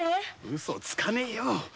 ウソつかねえよ